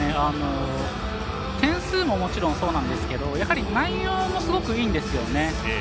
点数ももちろんそうなんですけど内容もすごくいいんですよね。